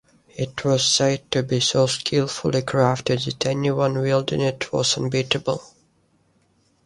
It was said to be so skillfully crafted that anyone wielding it was unbeatable.